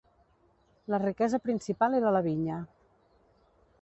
La riquesa principal era la vinya.